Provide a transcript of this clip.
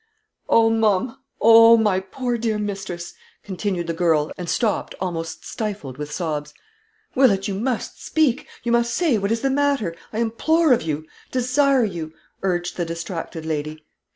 "Oh, ma'am! Oh my poor dear mistress!" continued the girl, and stopped, almost stifled with sobs. "Willett, you must speak; you must say what is the matter. I implore of you desire you!" urged the distracted lady.